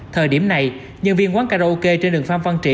thời điểm này nhân viên quán karaoke trên đường phan văn trị